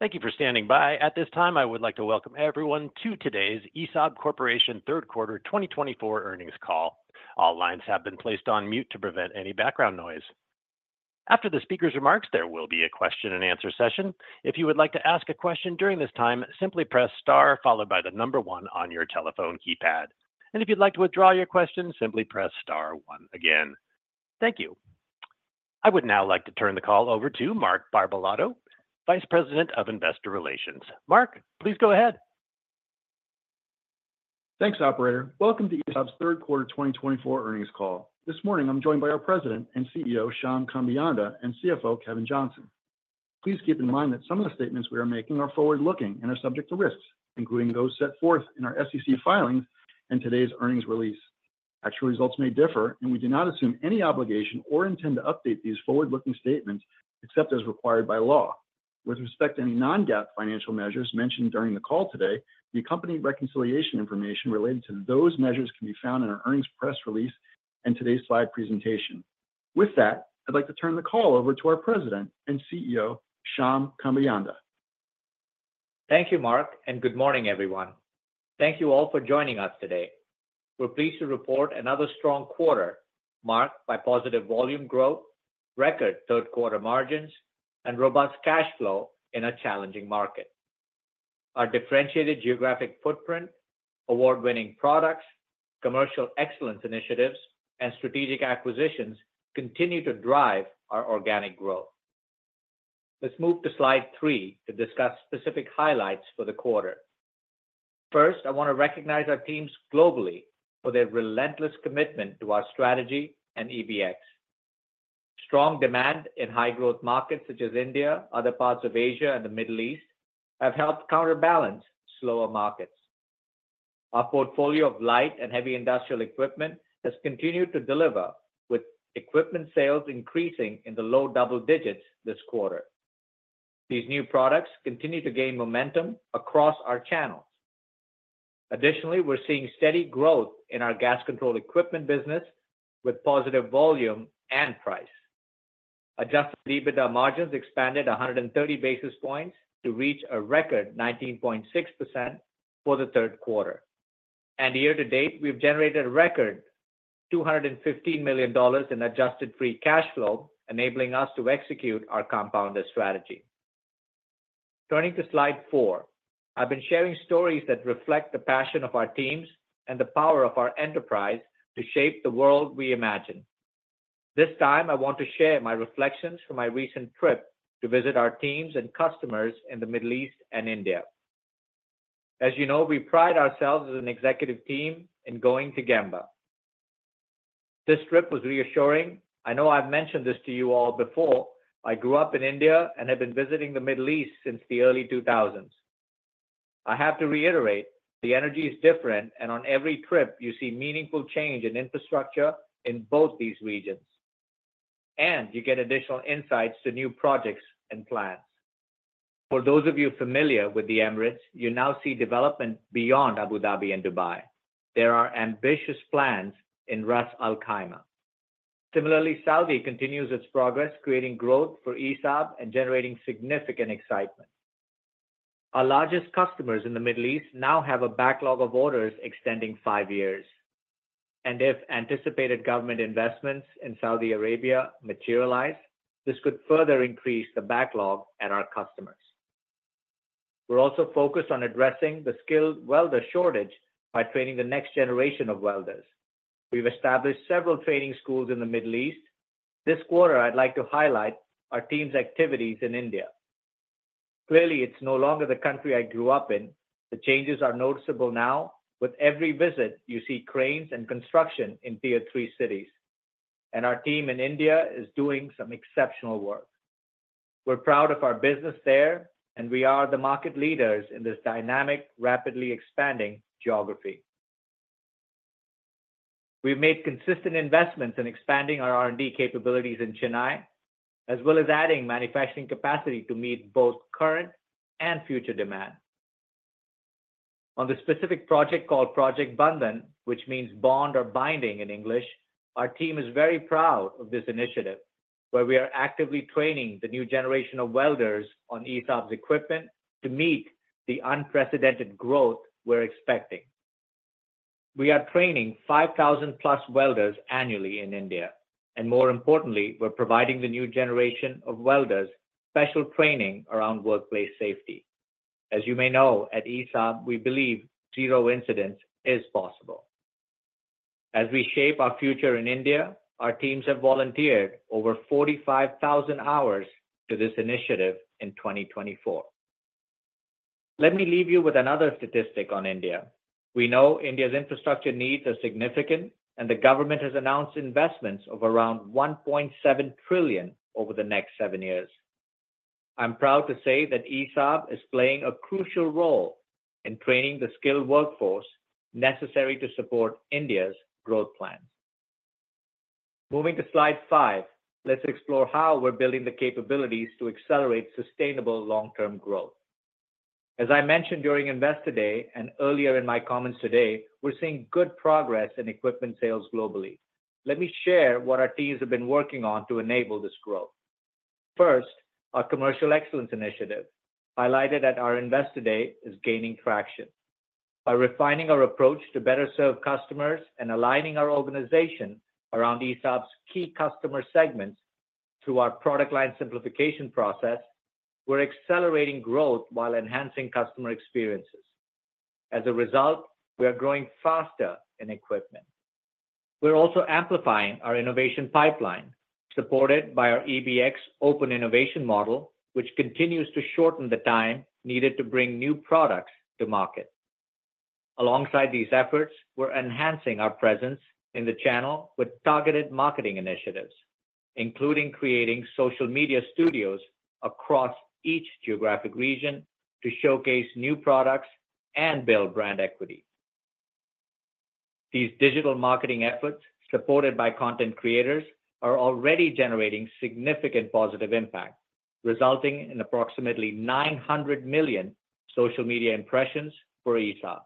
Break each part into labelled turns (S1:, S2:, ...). S1: Thank you for standing by. At this time, I would like to welcome everyone to today's ESAB Corporation Third Quarter 2024 earnings call. All lines have been placed on mute to prevent any background noise. After the speaker's remarks, there will be a question and answer session. If you would like to ask a question during this time, simply press star followed by the number one on your telephone keypad. And if you'd like to withdraw your question, simply press star one again. Thank you. I would now like to turn the call over to Mark Barbalato, Vice President of Investor Relations. Mark, please go ahead.
S2: Thanks, Operator. Welcome to ESAB's Third Quarter 2024 earnings call. This morning, I'm joined by our President and CEO, Shyam Kambeyanda, and CFO, Kevin Johnson. Please keep in mind that some of the statements we are making are forward-looking and are subject to risks, including those set forth in our SEC filings and today's earnings release. Actual results may differ, and we do not assume any obligation or intend to update these forward-looking statements except as required by law. With respect to any non-GAAP financial measures mentioned during the call today, the company reconciliation information related to those measures can be found in our earnings press release and today's slide presentation. With that, I'd like to turn the call over to our President and CEO, Shyam Kambeyanda.
S3: Thank you, Mark, and good morning, everyone. Thank you all for joining us today. We're pleased to report another strong quarter marked by positive volume growth, record third-quarter margins, and robust cash flow in a challenging market. Our differentiated geographic footprint, award-winning products, commercial excellence initiatives, and strategic acquisitions continue to drive our organic growth. Let's move to slide three to discuss specific highlights for the quarter. First, I want to recognize our teams globally for their relentless commitment to our strategy and EBX. Strong demand in high-growth markets such as India, other parts of Asia, and the Middle East have helped counterbalance slower markets. Our portfolio of light and heavy industrial equipment has continued to deliver, with equipment sales increasing in the low double digits this quarter. These new products continue to gain momentum across our channels. Additionally, we're seeing steady growth in our gas control equipment business with positive volume and price. Adjusted EBITDA margins expanded 130 basis points to reach a record 19.6% for the third quarter. And year to date, we've generated a record $215 million in adjusted free cash flow, enabling us to execute our compounder strategy. Turning to slide four, I've been sharing stories that reflect the passion of our teams and the power of our enterprise to shape the world we imagine. This time, I want to share my reflections from my recent trip to visit our teams and customers in the Middle East and India. As you know, we pride ourselves as an executive team in going to Gemba. This trip was reassuring. I know I've mentioned this to you all before. I grew up in India and have been visiting the Middle East since the early 2000s. I have to reiterate, the energy is different, and on every trip, you see meaningful change in infrastructure in both these regions, and you get additional insights to new projects and plans. For those of you familiar with the Emirates, you now see development beyond Abu Dhabi and Dubai. There are ambitious plans in Ras Al Khaimah. Similarly, Saudi continues its progress, creating growth for ESAB and generating significant excitement. Our largest customers in the Middle East now have a backlog of orders extending five years. And if anticipated government investments in Saudi Arabia materialize, this could further increase the backlog at our customers. We're also focused on addressing the skilled welder shortage by training the next generation of welders. We've established several training schools in the Middle East. This quarter, I'd like to highlight our team's activities in India. Clearly, it's no longer the country I grew up in. The changes are noticeable now. With every visit, you see cranes and construction in tier three cities, and our team in India is doing some exceptional work. We're proud of our business there, and we are the market leaders in this dynamic, rapidly expanding geography. We've made consistent investments in expanding our R&D capabilities in Chennai, as well as adding manufacturing capacity to meet both current and future demand. On the specific project called Project Bandhan, which means bond or binding in English, our team is very proud of this initiative, where we are actively training the new generation of welders on ESAB's equipment to meet the unprecedented growth we're expecting. We are training 5,000-plus welders annually in India, and more importantly, we're providing the new generation of welders special training around workplace safety. As you may know, at ESAB, we believe zero incidents is possible. As we shape our future in India, our teams have volunteered over 45,000 hours to this initiative in 2024. Let me leave you with another statistic on India. We know India's infrastructure needs are significant, and the government has announced investments of around $1.7 trillion over the next seven years. I'm proud to say that ESAB is playing a crucial role in training the skilled workforce necessary to support India's growth plans. Moving to slide five, let's explore how we're building the capabilities to accelerate sustainable long-term growth. As I mentioned during Investor Day and earlier in my comments today, we're seeing good progress in equipment sales globally. Let me share what our teams have been working on to enable this growth. First, our commercial excellence initiative, highlighted at our Investor Day is gaining traction. By refining our approach to better serve customers and aligning our organization around ESAB's key customer segments through our product line simplification process, we're accelerating growth while enhancing customer experiences. As a result, we are growing faster in equipment. We're also amplifying our innovation pipeline, supported by our EBX open innovation model, which continues to shorten the time needed to bring new products to market. Alongside these efforts, we're enhancing our presence in the channel with targeted marketing initiatives, including creating social media studios across each geographic region to showcase new products and build brand equity. These digital marketing efforts, supported by content creators, are already generating significant positive impact, resulting in approximately 900 million social media impressions for ESAB.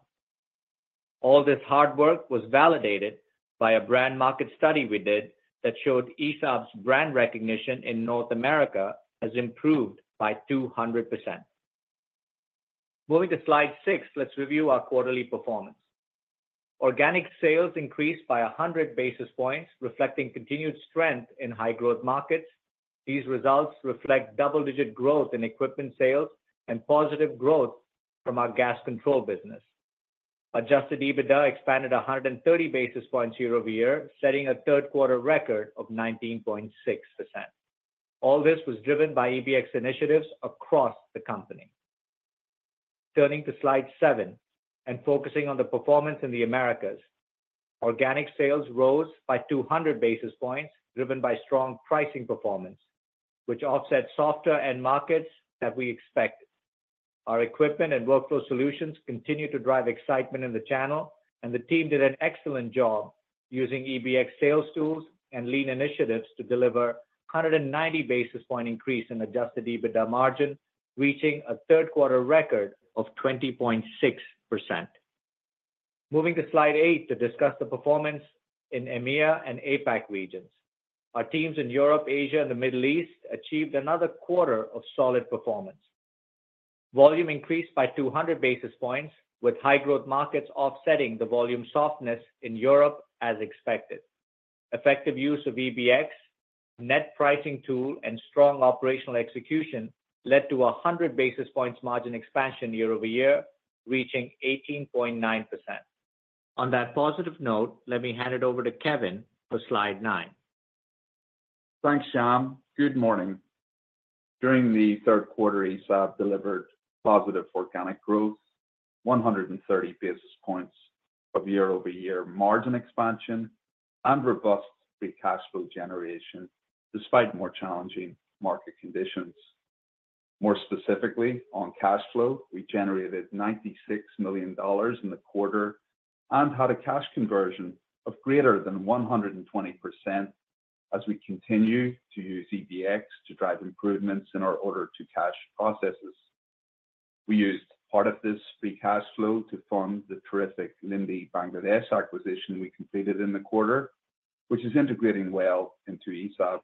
S3: All this hard work was validated by a brand market study we did that showed ESAB's brand recognition in North America has improved by 200%. Moving to slide six, let's review our quarterly performance. Organic sales increased by 100 basis points, reflecting continued strength in high-growth markets. These results reflect double-digit growth in equipment sales and positive growth from our gas control business. Adjusted EBITDA expanded 130 basis points year over year, setting a third-quarter record of 19.6%. All this was driven by EBX initiatives across the company. Turning to slide seven and focusing on the performance in the Americas, organic sales rose by 200 basis points, driven by strong pricing performance, which offset softer markets that we expected. Our equipment and workflow solutions continue to drive excitement in the channel, and the team did an excellent job using EBX sales tools and lean initiatives to deliver a 190 basis points increase in adjusted EBITDA margin, reaching a third-quarter record of 20.6%. Moving to slide eight to discuss the performance in EMEA and APAC regions. Our teams in Europe, Asia, and the Middle East achieved another quarter of solid performance. Volume increased by 200 basis points, with high-growth markets offsetting the volume softness in Europe as expected. Effective use of EBX, net pricing tool, and strong operational execution led to a 100 basis points margin expansion year over year, reaching 18.9%. On that positive note, let me hand it over to Kevin for slide nine.
S4: Thanks, Shyam. Good morning. During the third quarter, ESAB delivered positive organic growth, 130 basis points of year-over-year margin expansion, and robust free cash flow generation despite more challenging market conditions. More specifically, on cash flow, we generated $96 million in the quarter and had a cash conversion of greater than 120% as we continue to use EBX to drive improvements in our order-to-cash processes. We used part of this free cash flow to fund the terrific Linde Bangladesh acquisition we completed in the quarter, which is integrating well into ESAB.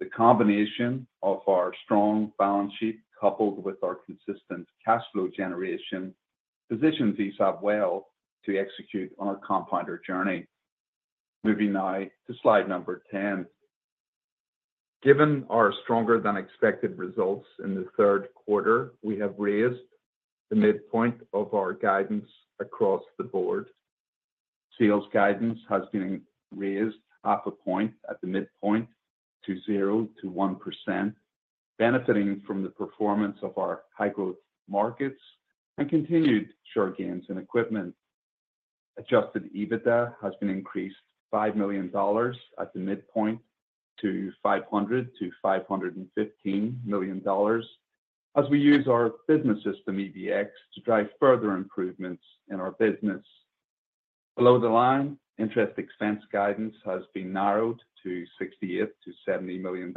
S4: The combination of our strong balance sheet coupled with our consistent cash flow generation positions ESAB well to execute on our compounder journey. Moving now to slide number 10. Given our stronger-than-expected results in the third quarter, we have raised the midpoint of our guidance across the board. Sales guidance has been raised half a point at the midpoint to 0% to 1%, benefiting from the performance of our high-growth markets and continued share gains in equipment. Adjusted EBITDA has been increased $5 million at the midpoint to $500 to $515 million as we use our business system EBX to drive further improvements in our business. Below the line, interest expense guidance has been narrowed to $68 to $70 million,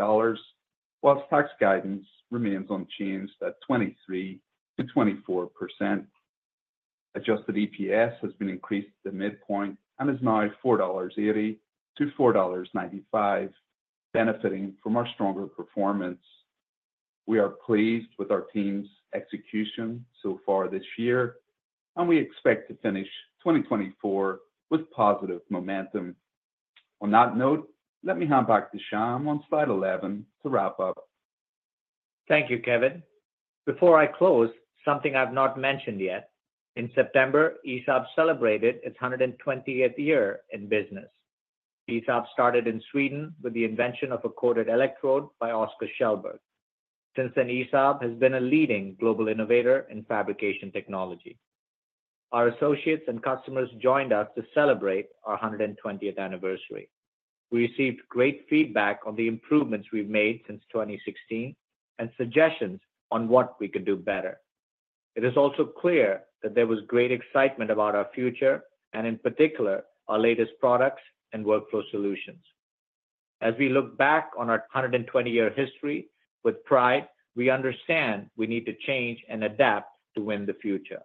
S4: while tax guidance remains unchanged at 23% to 24%. Adjusted EPS has been increased to the midpoint and is now $4.80 to $4.95, benefiting from our stronger performance. We are pleased with our team's execution so far this year, and we expect to finish 2024 with positive momentum. On that note, let me hand back to Shyam on slide 11 to wrap up.
S3: Thank you, Kevin. Before I close, something I've not mentioned yet. In September, ESAB celebrated its 120th year in business. ESAB started in Sweden with the invention of a coated electrode by Oskar Kjellberg. Since then, ESAB has been a leading global innovator in fabrication technology. Our associates and customers joined us to celebrate our 120th anniversary. We received great feedback on the improvements we've made since 2016 and suggestions on what we could do better. It is also clear that there was great excitement about our future, and in particular, our latest products and workflow solutions. As we look back on our 120-year history with pride, we understand we need to change and adapt to win the future.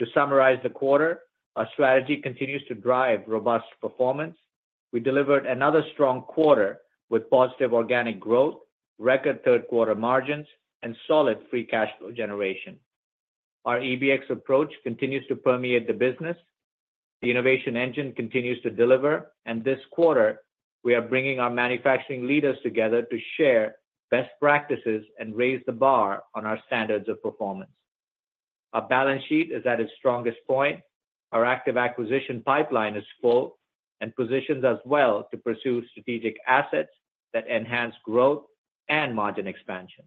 S3: To summarize the quarter, our strategy continues to drive robust performance. We delivered another strong quarter with positive organic growth, record third-quarter margins, and solid free cash flow generation. Our EBX approach continues to permeate the business. The innovation engine continues to deliver. And this quarter, we are bringing our manufacturing leaders together to share best practices and raise the bar on our standards of performance. Our balance sheet is at its strongest point. Our active acquisition pipeline is full and positions us well to pursue strategic assets that enhance growth and margin expansion.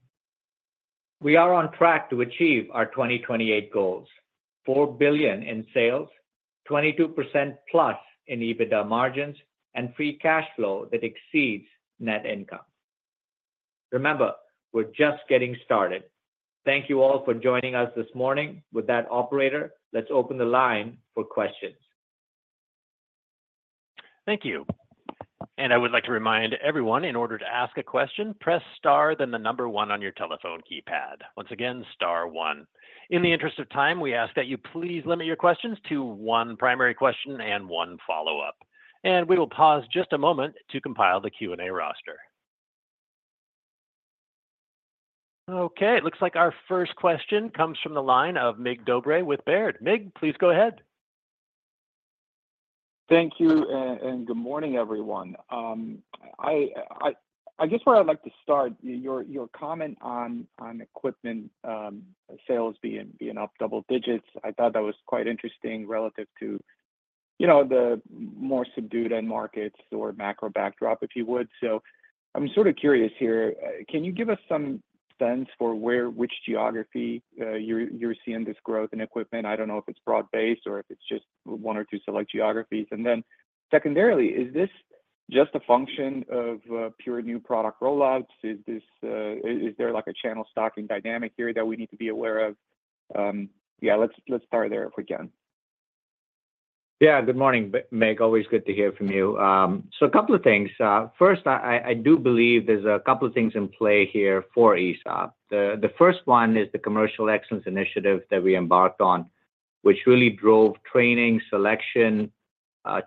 S3: We are on track to achieve our 2028 goals: $4 billion in sales, 22% plus in EBITDA margins, and free cash flow that exceeds net income. Remember, we're just getting started. Thank you all for joining us this morning. With that, operator, let's open the line for questions.
S1: Thank you. And I would like to remind everyone, in order to ask a question, press star, then the number one on your telephone keypad. Once again, star one. In the interest of time, we ask that you please limit your questions to one primary question and one follow-up. And we will pause just a moment to compile the Q&A roster. Okay. It looks like our first question comes from the line of Mig Dobre with Baird. Mig, please go ahead.
S5: Thank you and good morning, everyone. I guess where I'd like to start, your comment on equipment sales being up double digits, I thought that was quite interesting relative to the more subdued end markets or macro backdrop, if you would. So I'm sort of curious here, can you give us some sense for which geography you're seeing this growth in equipment? I don't know if it's broad-based or if it's just one or two select geographies. And then secondarily, is this just a function of pure new product rollouts? Is there a channel stocking dynamic here that we need to be aware of? Yeah, let's start there if we can.
S4: Yeah, good morning, Mig. Always good to hear from you. So a couple of things. First, I do believe there's a couple of things in play here for ESAB. The first one is the commercial excellence initiative that we embarked on, which really drove training, selection,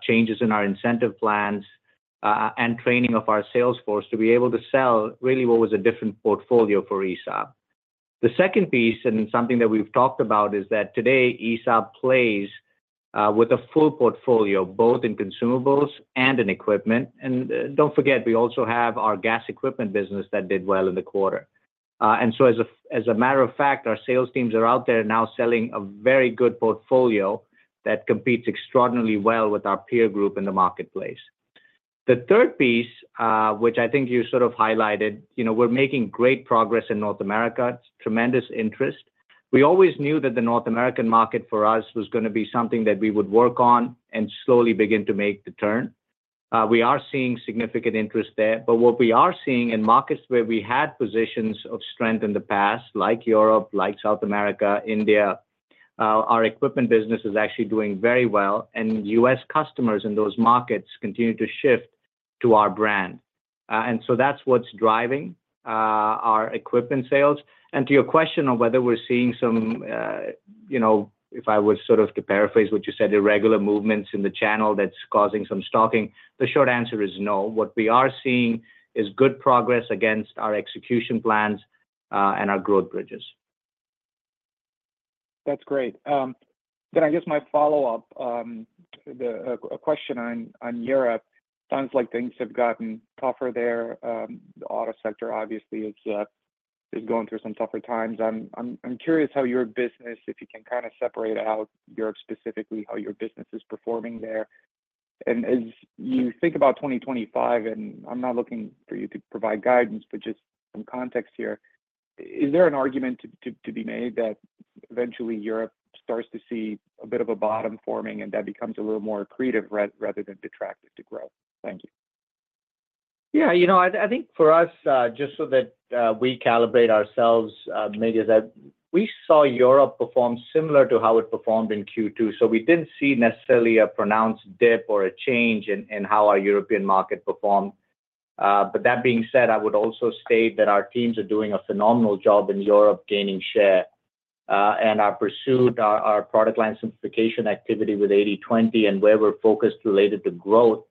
S4: changes in our incentive plans, and training of our salesforce to be able to sell really what was a different portfolio for ESAB. The second piece, and something that we've talked about, is that today ESAB plays with a full portfolio, both in consumables and in equipment. And don't forget, we also have our gas equipment business that did well in the quarter. And so as a matter of fact, our sales teams are out there now selling a very good portfolio that competes extraordinarily well with our peer group in the marketplace. The third piece, which I think you sort of highlighted, we're making great progress in North America. It's tremendous interest. We always knew that the North American market for us was going to be something that we would work on and slowly begin to make the turn. We are seeing significant interest there. But what we are seeing in markets where we had positions of strength in the past, like Europe, like South America, India, our equipment business is actually doing very well. And U.S. customers in those markets continue to shift to our brand. And so that's what's driving our equipment sales. And to your question on whether we're seeing some, if I was sort of to paraphrase what you said, irregular movements in the channel that's causing some stocking, the short answer is no. What we are seeing is good progress against our execution plans and our growth bridges.
S5: That's great. Then I guess my follow-up, a question on Europe. Sounds like things have gotten tougher there. The auto sector obviously is going through some tougher times. I'm curious how your business, if you can kind of separate out Europe specifically, how your business is performing there. And as you think about 2025, and I'm not looking for you to provide guidance, but just some context here, is there an argument to be made that eventually Europe starts to see a bit of a bottom forming and that becomes a little more creative rather than detractive to growth? Thank you.
S3: Yeah. You know, I think for us, just so that we calibrate ourselves, Mig, is that we saw Europe perform similar to how it performed in Q2, so we didn't see necessarily a pronounced dip or a change in how our European market performed, but that being said, I would also state that our teams are doing a phenomenal job in Europe gaining share, and our pursuit, our product line simplification activity with 80/20 and where we're focused related to growth,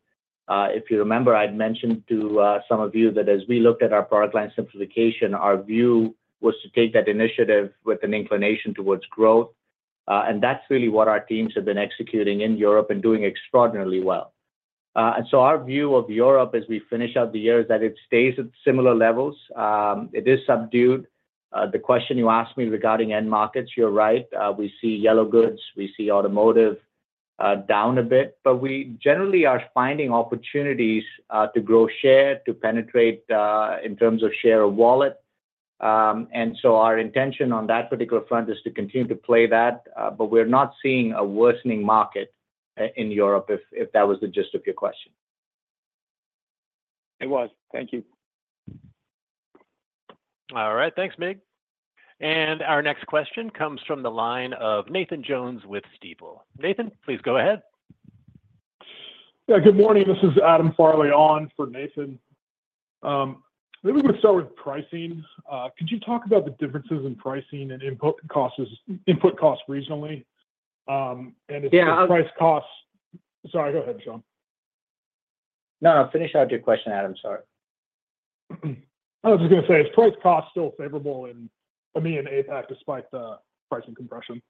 S3: if you remember, I'd mentioned to some of you that as we looked at our product line simplification, our view was to take that initiative with an inclination towards growth, and that's really what our teams have been executing in Europe and doing extraordinarily well, and so our view of Europe as we finish out the year is that it stays at similar levels. It is subdued. The question you asked me regarding end markets, you're right. We see yellow goods. We see automotive down a bit. But we generally are finding opportunities to grow share, to penetrate in terms of share of wallet. And so our intention on that particular front is to continue to play that. But we're not seeing a worsening market in Europe, if that was the gist of your question.
S5: It was. Thank you.
S1: All right. Thanks, Mig. And our next question comes from the line of Nathan Jones with Stifel. Nathan, please go ahead.
S6: Yeah, good morning. This is Adam Farley on for Nathan. Maybe we could start with pricing. Could you talk about the differences in pricing and input costs regionally? And, sorry, go ahead, Shyam.
S4: No, finish out your question, Adam. Sorry.
S6: I was just going to say, is price costs still favorable in APAC despite the pricing compression?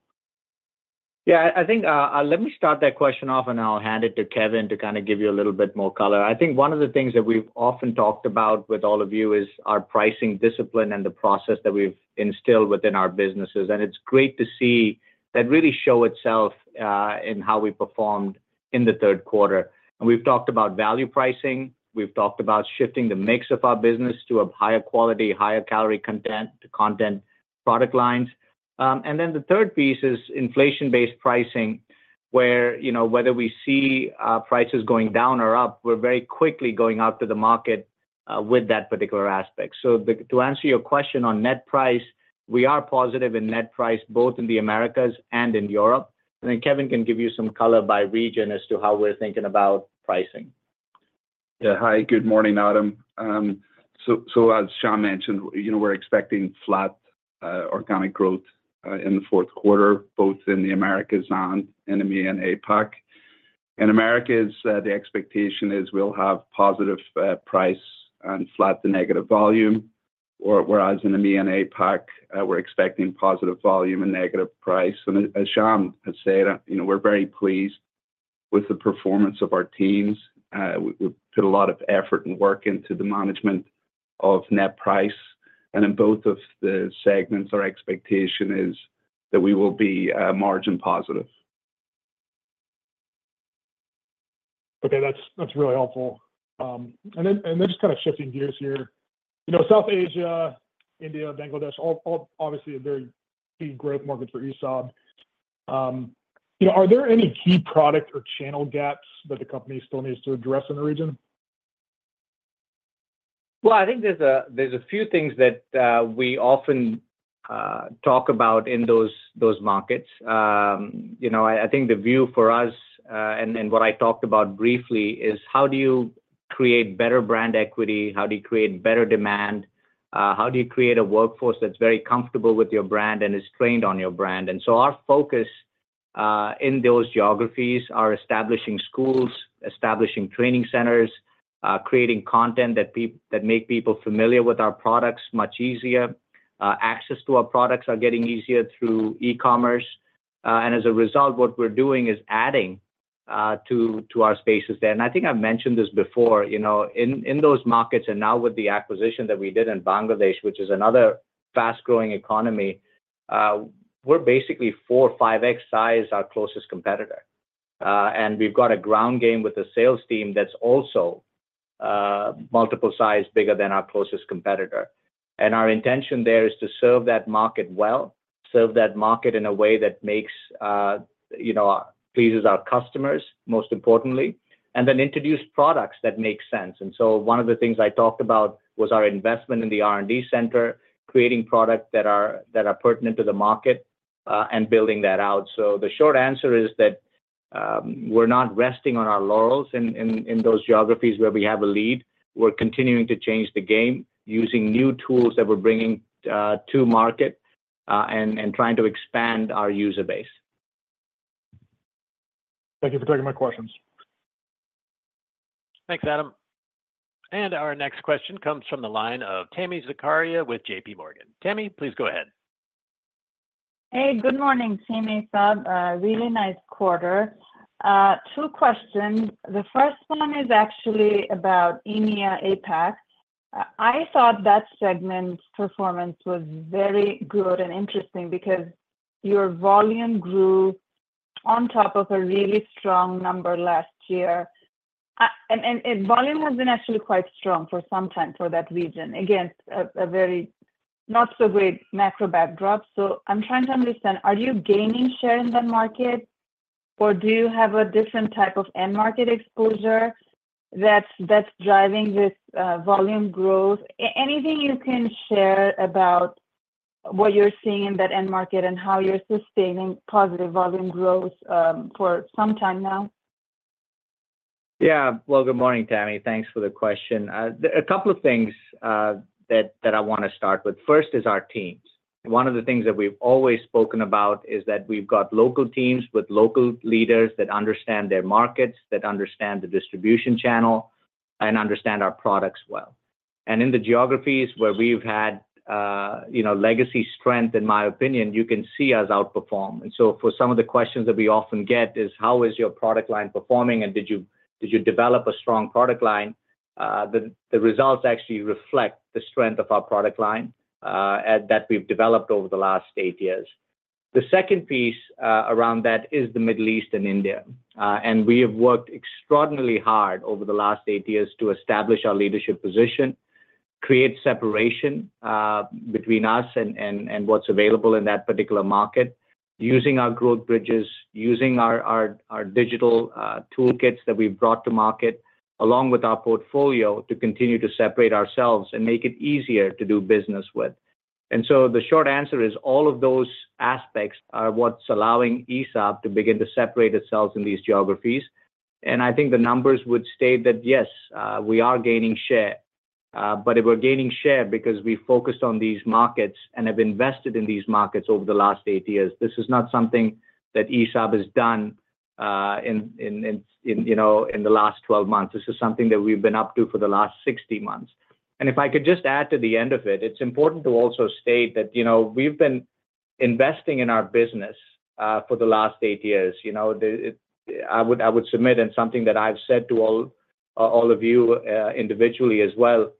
S3: Yeah, I think let me start that question off, and I'll hand it to Kevin to kind of give you a little bit more color. I think one of the things that we've often talked about with all of you is our pricing discipline and the process that we've instilled within our businesses, and it's great to see that really show itself in how we performed in the third quarter, and we've talked about value pricing. We've talked about shifting the mix of our business to a higher quality, higher caliber content product lines, and then the third piece is inflation-based pricing, where whether we see prices going down or up, we're very quickly going out to the market with that particular aspect, so to answer your question on net price, we are positive in net price both in the Americas and in Europe. And then Kevin can give you some color by region as to how we're thinking about pricing.
S4: Yeah. Hi, good morning, Adam. So as Shyam mentioned, we're expecting flat organic growth in the fourth quarter, both in the Americas, and in APAC. In Americas, the expectation is we'll have positive price and flat to negative volume, whereas in APAC, we're expecting positive volume and negative price. And as Shyam has said, we're very pleased with the performance of our teams. We put a lot of effort and work into the management of net price. And in both of the segments, our expectation is that we will be margin positive.
S6: Okay. That's really helpful. And then just kind of shifting gears here, South Asia, India, Bangladesh, obviously a very big growth market for ESAB. Are there any key product or channel gaps that the company still needs to address in the region?
S3: Well, I think there's a few things that we often talk about in those markets. I think the view for us, and what I talked about briefly, is how do you create better brand equity? How do you create better demand? How do you create a workforce that's very comfortable with your brand and is trained on your brand? And so our focus in those geographies is establishing schools, establishing training centers, creating content that makes people familiar with our products much easier. Access to our products is getting easier through e-commerce. And as a result, what we're doing is adding to our spaces there. And I think I've mentioned this before. In those markets, and now with the acquisition that we did in Bangladesh, which is another fast-growing economy, we're basically four-five X size our closest competitor. And we've got a ground game with a sales team that's also multiple sizes bigger than our closest competitor. And our intention there is to serve that market well, serve that market in a way that pleases our customers, most importantly, and then introduce products that make sense. And so one of the things I talked about was our investment in the R&D center, creating products that are pertinent to the market and building that out. So the short answer is that we're not resting on our laurels in those geographies where we have a lead. We're continuing to change the game using new tools that we're bringing to market and trying to expand our user base.
S6: Thank you for taking my questions.
S1: Thanks, Adam. Our next question comes from the line of Tami Zakaria with J.P. Morgan. Tami, please go ahead.
S7: Hey, good morning, Tami. For a really nice quarter. Two questions. The first one is actually about EMEA APAC. I thought that segment's performance was very good and interesting because your volume grew on top of a really strong number last year, and volume has been actually quite strong for some time for that region against a very not-so-great macro backdrop, so I'm trying to understand, are you gaining share in the market, or do you have a different type of end market exposure that's driving this volume growth? Anything you can share about what you're seeing in that end market and how you're sustaining positive volume growth for some time now?
S3: Yeah. Well, good morning, Tammy. Thanks for the question. A couple of things that I want to start with. First is our teams. One of the things that we've always spoken about is that we've got local teams with local leaders that understand their markets, that understand the distribution channel, and understand our products well. And in the geographies where we've had legacy strength, in my opinion, you can see us outperform. And so for some of the questions that we often get is, how is your product line performing? And did you develop a strong product line? The results actually reflect the strength of our product line that we've developed over the last eight years. The second piece around that is the Middle East and India. We have worked extraordinarily hard over the last eight years to establish our leadership position, create separation between us and what's available in that particular market, using our growth bridges, using our digital toolkits that we've brought to market, along with our portfolio to continue to separate ourselves and make it easier to do business with. The short answer is all of those aspects are what's allowing ESAB to begin to separate itself in these geographies. I think the numbers would state that, yes, we are gaining share. We're gaining share because we focused on these markets and have invested in these markets over the last eight years. This is not something that ESAB has done in the last 12 months. This is something that we've been up to for the last 60 months. And if I could just add to the end of it, it's important to also state that we've been investing in our business for the last eight years. I would submit, and something that I've said to all of you individually as well,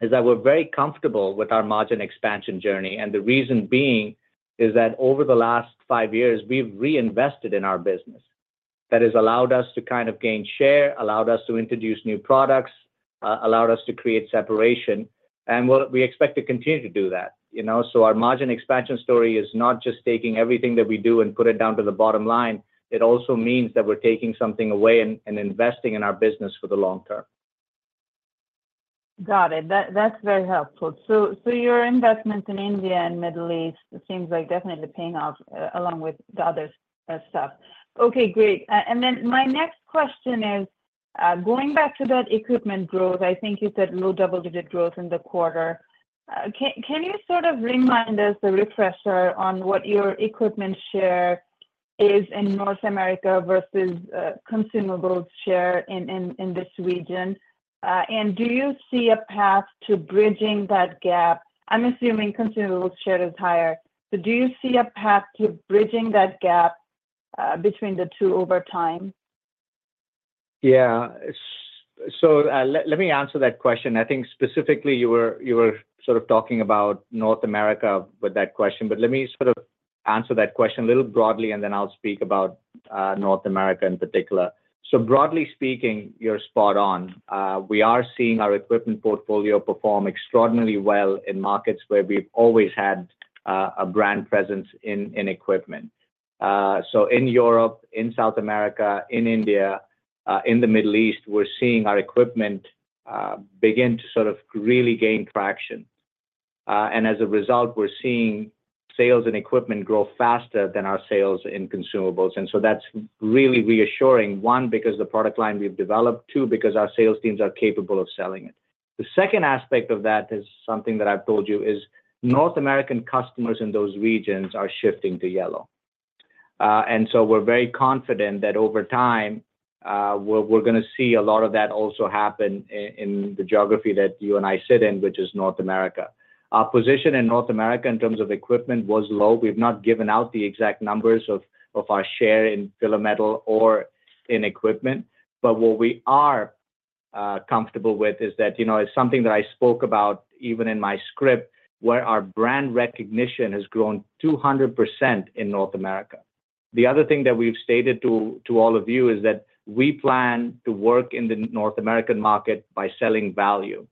S3: is that we're very comfortable with our margin expansion journey. And the reason being is that over the last five years, we've reinvested in our business. That has allowed us to kind of gain share, allowed us to introduce new products, allowed us to create separation. And we expect to continue to do that. So our margin expansion story is not just taking everything that we do and putting it down to the bottom line. It also means that we're taking something away and investing in our business for the long term.
S7: Got it. That's very helpful. So your investments in India and Middle East seems like definitely paying off along with the other stuff. Okay, great. And then my next question is, going back to that equipment growth, I think you said low double-digit growth in the quarter. Can you sort of remind us, a refresher, on what your equipment share is in North America versus consumables share in this region? And do you see a path to bridging that gap? I'm assuming consumables share is higher. So do you see a path to bridging that gap between the two over time?
S3: Yeah. So let me answer that question. I think specifically you were sort of talking about North America with that question. But let me sort of answer that question a little broadly, and then I'll speak about North America in particular. So broadly speaking, you're spot on. We are seeing our equipment portfolio perform extraordinarily well in markets where we've always had a brand presence in equipment. So in Europe, in South America, in India, in the Middle East, we're seeing our equipment begin to sort of really gain traction. And as a result, we're seeing sales in equipment grow faster than our sales in consumables. And so that's really reassuring, one, because of the product line we've developed, two, because our sales teams are capable of selling it. The second aspect of that is something that I've told you is North American customers in those regions are shifting to yellow. And so we're very confident that over time, we're going to see a lot of that also happen in the geography that you and I sit in, which is North America. Our position in North America in terms of equipment was low. We've not given out the exact numbers of our share in filler metals or in equipment. But what we are comfortable with is that it's something that I spoke about even in my script, where our brand recognition has grown 200% in North America. The other thing that we've stated to all of you is that we plan to work in the North American market by selling value.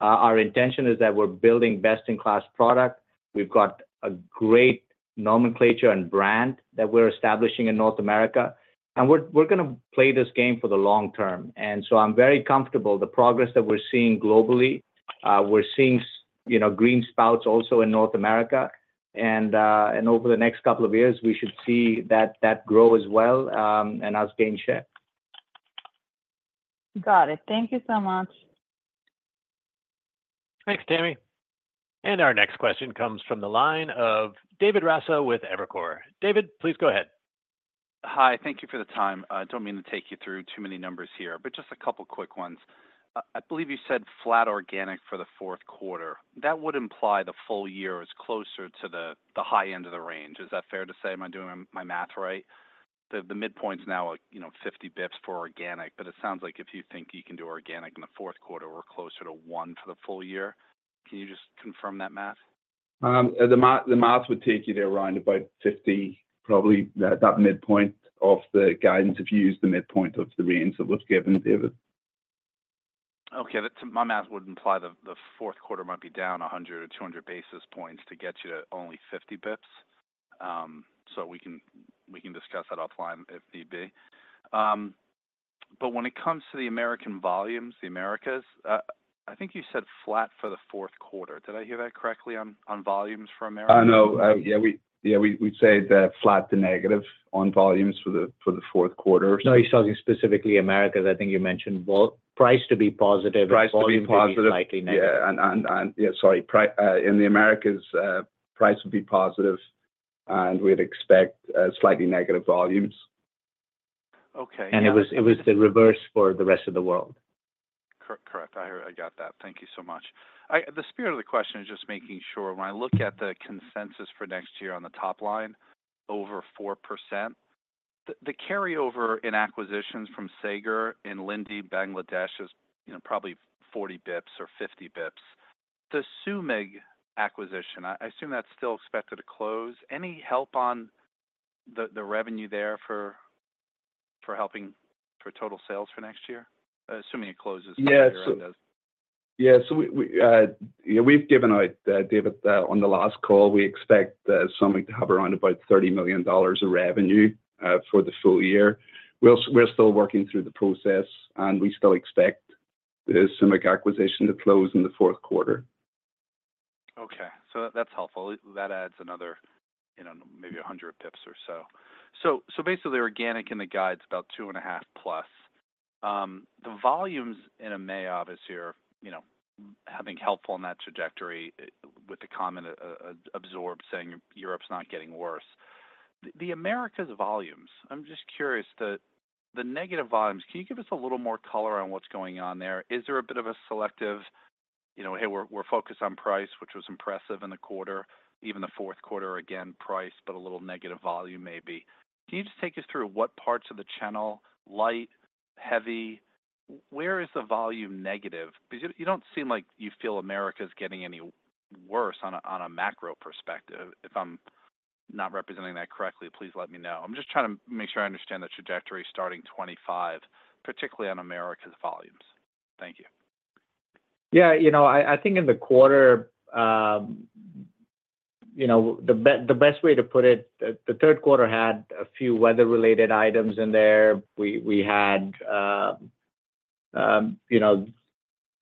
S3: Our intention is that we're building best-in-class product. We've got a great nomenclature and brand that we're establishing in North America, and we're going to play this game for the long term, and so I'm very comfortable. The progress that we're seeing globally, we're seeing green shoots also in North America, and over the next couple of years, we should see that grow as well and us gain share.
S7: Got it. Thank you so much.
S1: Thanks, Tammy. And our next question comes from the line of David Raso with Evercore. David, please go ahead.
S8: Hi. Thank you for the time. I don't mean to take you through too many numbers here, but just a couple of quick ones. I believe you said flat organic for the fourth quarter. That would imply the full year is closer to the high end of the range. Is that fair to say? Am I doing my math right? The midpoint is now 50 basis points for organic, but it sounds like if you think you can do organic in the fourth quarter, we're closer to one for the full year. Can you just confirm that math?
S4: The math would take you there, around about 50, probably that midpoint off the guidance if you use the midpoint of the range that was given, David.
S8: Okay. My math would imply the fourth quarter might be down 100 or 200 basis points to get you to only 50 basis points. So we can discuss that offline if need be. But when it comes to the American volumes, the Americas, I think you said flat for the fourth quarter. Did I hear that correctly on volumes for Americas?
S4: No, yeah, we'd say that flat to negative on volumes for the fourth quarter.
S8: No, you're talking specifically Americas. I think you mentioned price to be positive.
S4: Price to be positive.
S8: Volumes to be slightly negative.
S4: Yeah. Sorry. In the Americas, price would be positive, and we'd expect slightly negative volumes.
S8: Okay.
S3: It was the reverse for the rest of the world.
S8: Correct. I got that. Thank you so much. The spirit of the question is just making sure when I look at the consensus for next year on the top line, over 4%, the carryover in acquisitions from Sager and Linde Bangladesh is probably 40 basis points or 50 basis points. The Sumig acquisition, I assume that's still expected to close. Any help on the revenue there for helping for total sales for next year? Assuming it closes next year, it does.
S4: Yeah. So we've given out, David, on the last call, we expect Sumig to have around about $30 million of revenue for the full year. We're still working through the process, and we still expect the Sumig acquisition to close in the fourth quarter.
S8: Okay. So that's helpful. That adds another maybe 100 basis points or so. So basically, organic in the guidance, about two and a half plus. The volumes in EMEA, obviously, have been helpful in that trajectory with the consensus saying Europe's not getting worse. The Americas volumes, I'm just curious, the negative volumes, can you give us a little more color on what's going on there? Is there a bit of a selective, "Hey, we're focused on price," which was impressive in the quarter, even the fourth quarter, again, price, but a little negative volume maybe. Can you just take us through what parts of the channel, light, heavy? Where is the volume negative? Because you don't seem like you feel America's getting any worse on a macro perspective. If I'm not representing that correctly, please let me know. I'm just trying to make sure I understand the trajectory starting 2025, particularly on Americas volumes. Thank you.
S3: Yeah. I think in the quarter, the best way to put it, the third quarter had a few weather-related items in there. We had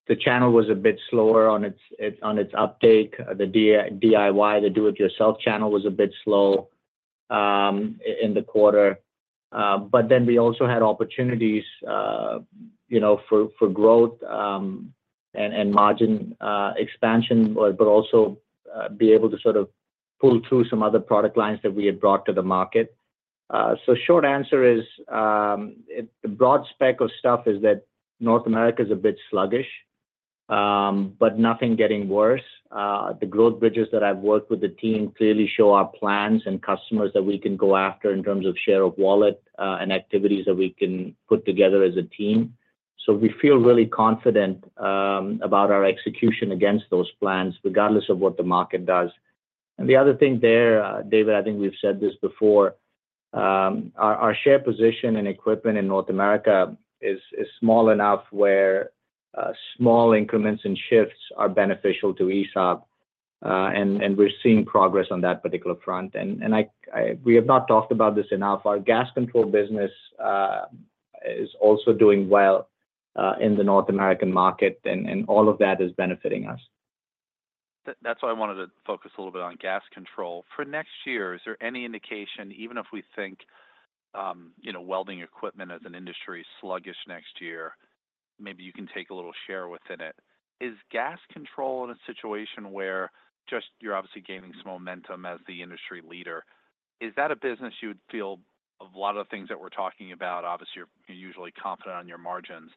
S3: the channel was a bit slower on its uptake. The DIY, the do-it-yourself channel was a bit slow in the quarter. But then we also had opportunities for growth and margin expansion, but also be able to sort of pull through some other product lines that we had brought to the market. So short answer is the broad spectrum of stuff is that North America is a bit sluggish, but nothing getting worse. The growth bridges that I've worked with the team clearly show our plans and customers that we can go after in terms of share of wallet and activities that we can put together as a team. So we feel really confident about our execution against those plans, regardless of what the market does. And the other thing there, David, I think we've said this before, our share position in equipment in North America is small enough where small increments and shifts are beneficial to ESAB. And we're seeing progress on that particular front. And we have not talked about this enough. Our gas control business is also doing well in the North American market, and all of that is benefiting us.
S8: That's why I wanted to focus a little bit on gas control. For next year, is there any indication, even if we think welding equipment as an industry is sluggish next year, maybe you can take a little share within it? Is gas control in a situation where just you're obviously gaining some momentum as the industry leader? Is that a business you would feel a lot of the things that we're talking about, obviously, you're usually confident on your margins.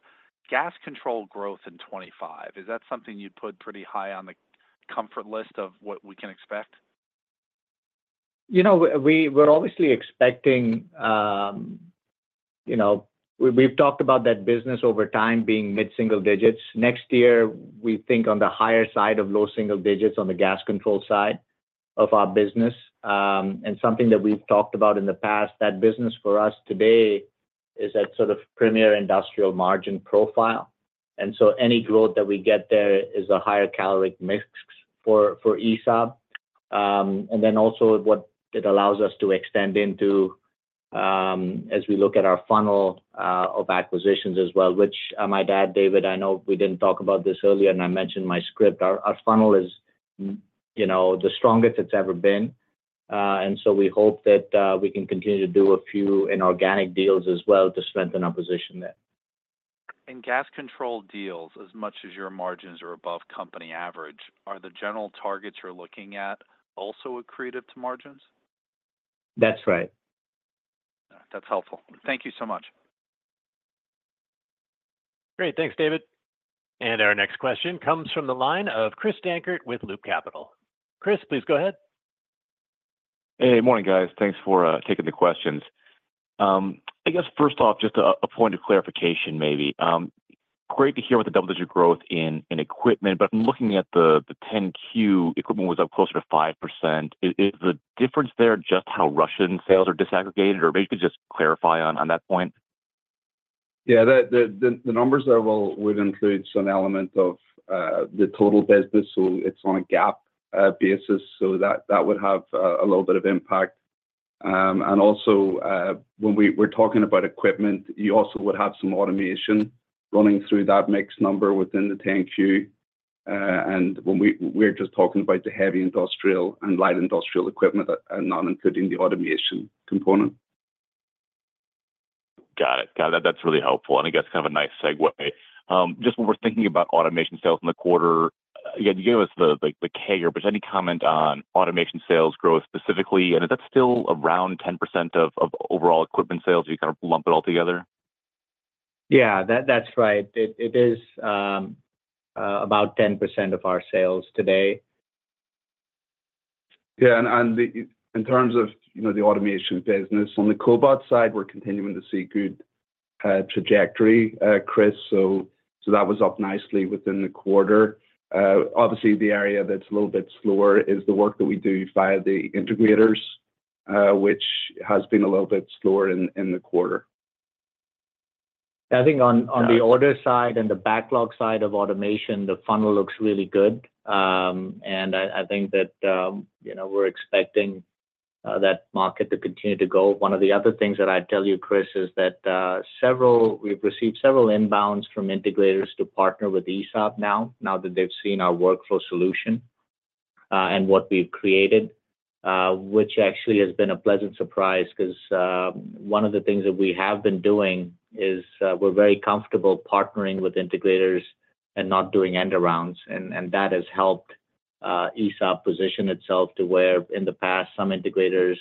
S8: Gas control growth in 2025, is that something you'd put pretty high on the comfort list of what we can expect?
S3: We're obviously expecting we've talked about that business over time being mid-single digits. Next year, we think on the higher side of low single digits on the gas control side of our business. And something that we've talked about in the past, that business for us today is at sort of premium industrial margin profile. And so any growth that we get there is a higher caloric mix for ESAB. And then also what it allows us to extend into as we look at our funnel of acquisitions as well, which might add, David, I know we didn't talk about this earlier, and I mentioned my script. Our funnel is the strongest it's ever been. And so we hope that we can continue to do a few inorganic deals as well to strengthen our position there.
S8: And gas control deals, as much as your margins are above company average, are the general targets you're looking at also accretive to margins?
S3: That's right.
S8: That's helpful. Thank you so much.
S1: Great. Thanks, David. And our next question comes from the line of Chris Dankert with Loop Capital. Chris, please go ahead.
S9: Hey, morning, guys. Thanks for taking the questions. I guess, first off, just a point of clarification maybe. Great to hear about the double-digit growth in equipment, but looking at the 10-Q, equipment was up closer to 5%. Is the difference there just how Russian sales are disaggregated, or maybe could you just clarify on that point?
S4: Yeah. The numbers there will include some element of the total business. So it's on a GAAP basis. So that would have a little bit of impact, and also, when we're talking about equipment, you also would have some automation running through that mixed number within the 10-Q. And we're just talking about the heavy industrial and light industrial equipment and not including the automation component.
S9: Got it. Got it. That's really helpful, and I guess kind of a nice segue. Just when we're thinking about automation sales in the quarter, you gave us the cobots. Any comment on automation sales growth specifically? And is that still around 10% of overall equipment sales? You kind of lump it all together?
S3: Yeah, that's right. It is about 10% of our sales today.
S4: Yeah. And in terms of the automation business, on the cobot side, we're continuing to see good trajectory, Chris. So that was up nicely within the quarter. Obviously, the area that's a little bit slower is the work that we do via the integrators, which has been a little bit slower in the quarter.
S3: I think on the order side and the backlog side of automation, the funnel looks really good. And I think that we're expecting that market to continue to go. One of the other things that I'd tell you, Chris, is that we've received several inbounds from integrators to partner with ESAB now, now that they've seen our workflow solution and what we've created, which actually has been a pleasant surprise because one of the things that we have been doing is we're very comfortable partnering with integrators and not doing end-arounds. And that has helped ESAB position itself to where in the past, some integrators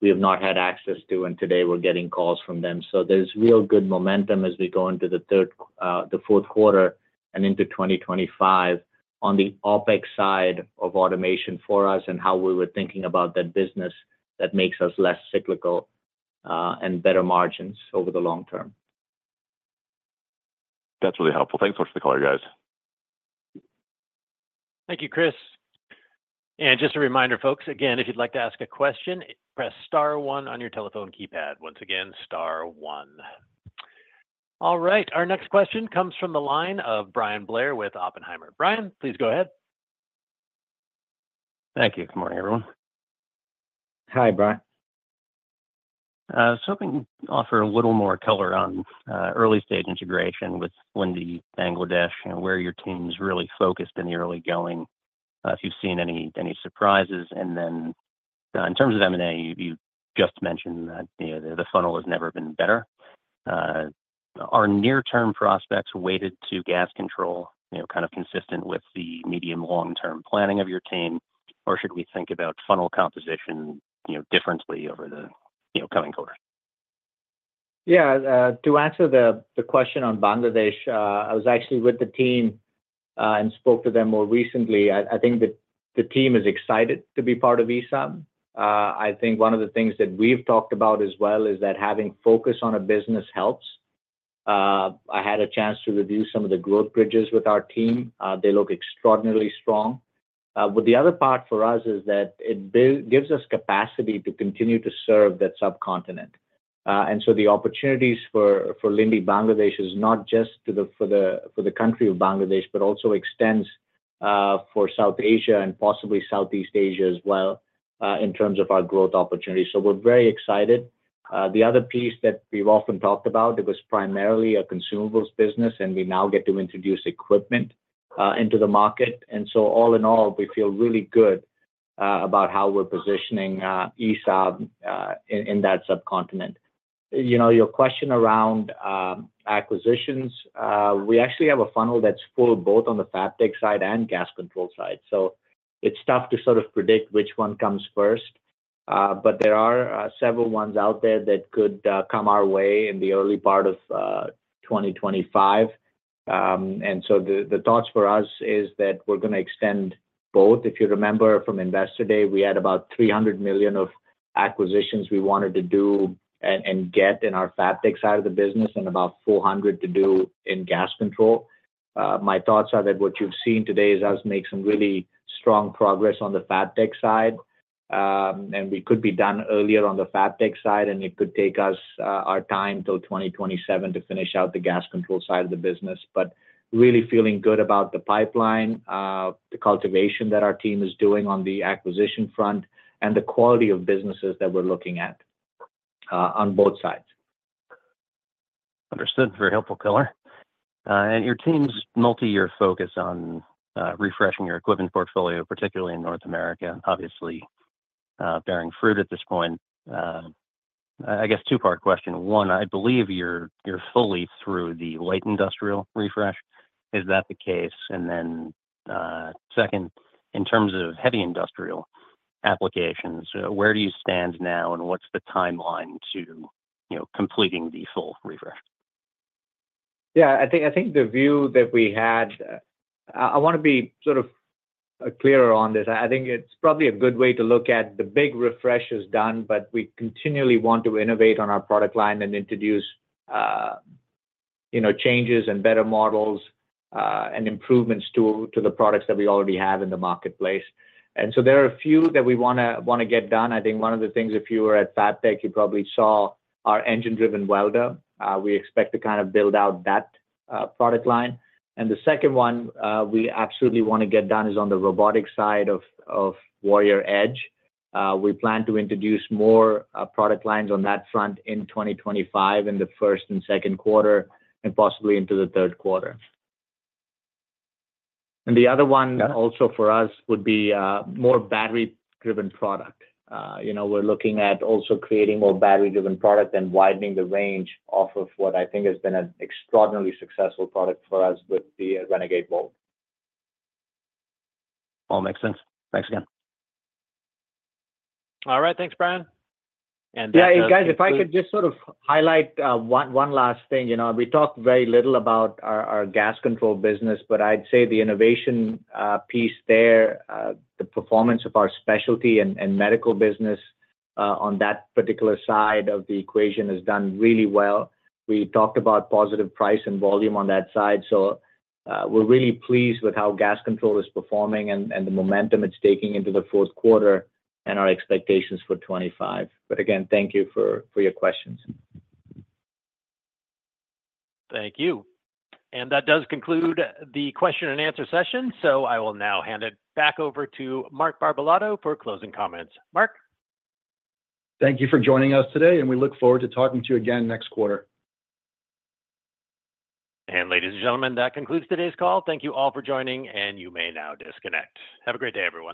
S3: we have not had access to, and today we're getting calls from them. So there's real good momentum as we go into the fourth quarter and into 2025 on the OpEx side of automation for us and how we were thinking about that business that makes us less cyclical and better margins over the long term.
S9: That's really helpful. Thanks so much for the call, you guys.
S1: Thank you, Chris. And just a reminder, folks, again, if you'd like to ask a question, press star one on your telephone keypad. Once again, star one. All right. Our next question comes from the line of Bryan Blair with Oppenheimer. Brian, please go ahead.
S10: Thank you. Good morning, everyone.
S3: Hi, Brian.
S10: So I'm going to offer a little more color on early-stage integration with Linde Bangladesh, and where your team's really focused in the early going, if you've seen any surprises, and then in terms of M&A, you just mentioned that the funnel has never been better. Are near-term prospects weighted to gas control kind of consistent with the medium-long-term planning of your team, or should we think about funnel composition differently over the coming quarter?
S3: Yeah. To answer the question on Bangladesh, I was actually with the team and spoke to them more recently. I think the team is excited to be part of ESAB. I think one of the things that we've talked about as well is that having focus on a business helps. I had a chance to review some of the growth bridges with our team. They look extraordinarily strong. But the other part for us is that it gives us capacity to continue to serve that subcontinent. And so the opportunities for Linde Bangladesh is not just for the country of Bangladesh, but also extends for South Asia and possibly Southeast Asia as well in terms of our growth opportunity. So we're very excited. The other piece that we've often talked about, it was primarily a consumables business, and we now get to introduce equipment into the market. And so all in all, we feel really good about how we're positioning ESAB in that subcontinent. Your question around acquisitions, we actually have a funnel that's full both on the fab tech side and gas control side. So it's tough to sort of predict which one comes first, but there are several ones out there that could come our way in the early part of 2025. And so the thoughts for us is that we're going to extend both. If you remember from Investor Day, we had about $300 million of acquisitions we wanted to do and get in our fab tech side of the business and about $400 million to do in gas control. My thoughts are that what you've seen today is us make some really strong progress on the fab tech side. And we could be done earlier on the fab tech side, and it could take our time till 2027 to finish out the gas control side of the business. But really feeling good about the pipeline, the cultivation that our team is doing on the acquisition front, and the quality of businesses that we're looking at on both sides.
S10: Understood. Very helpful color. And your team's multi-year focus on refreshing your equipment portfolio, particularly in North America, obviously bearing fruit at this point. I guess two-part question. One, I believe you're fully through the light industrial refresh. Is that the case? And then second, in terms of heavy industrial applications, where do you stand now, and what's the timeline to completing the full refresh?
S3: Yeah. I think the view that we had, I want to be sort of clearer on this. I think it's probably a good way to look at the big refreshes done, but we continually want to innovate on our product line and introduce changes and better models and improvements to the products that we already have in the marketplace. And so there are a few that we want to get done. I think one of the things, if you were at FABTECH, you probably saw our engine-driven welder. We expect to kind of build out that product line. And the second one we absolutely want to get done is on the robotic side of Warrior Edge. We plan to introduce more product lines on that front in 2025, in the first and second quarter, and possibly into the third quarter. The other one also for us would be more battery-driven product. We're looking at also creating more battery-driven product and widening the range off of what I think has been an extraordinarily successful product for us with the Renegade VOLT.
S10: All makes sense. Thanks again.
S1: All right. Thanks, Brian. And that's it.
S3: Yeah. Hey, guys, if I could just sort of highlight one last thing. We talked very little about our gas control business, but I'd say the innovation piece there, the performance of our specialty and medical business on that particular side of the equation is done really well. We talked about positive price and volume on that side. So we're really pleased with how gas control is performing and the momentum it's taking into the fourth quarter and our expectations for 2025. But again, thank you for your questions.
S1: Thank you. And that does conclude the question and answer session. So I will now hand it back over to Mark Barbalato for closing comments. Mark.
S2: Thank you for joining us today, and we look forward to talking to you again next quarter.
S1: Ladies and gentlemen, that concludes today's call. Thank you all for joining, and you may now disconnect. Have a great day, everyone.